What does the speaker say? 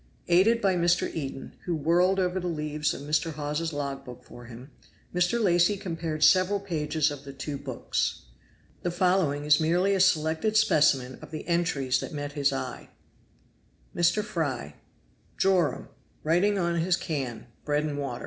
Aided by Mr. Eden, who whirled over the leaves of Mr. Hawes's log book for him, Mr. Lacy compared several pages of the two books. The following is merely a selected specimen of the entries that met his eye: MR. FRY. MR. HAWES. Joram.Writing on his can bread and Joram.